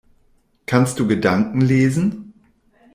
Kannst du Gedanken lesen?